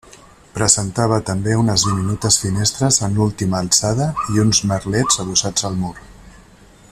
Presentava també unes diminutes finestres en l'última alçada i uns merlets adossats al mur.